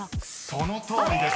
［そのとおりです］